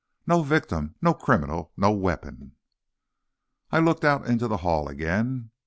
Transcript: No victim, no criminal, no weapon!" I looked out in the hall again.